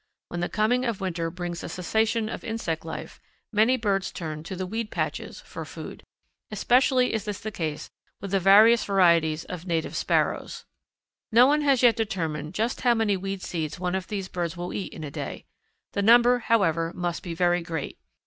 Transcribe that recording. When the coming of winter brings a cessation of insect life, many birds turn to the weed patches for food. Especially is this the case with the various varieties of native Sparrows. No one has yet determined just how many weed seeds one of these birds will eat in a day. The number, however, must be very great.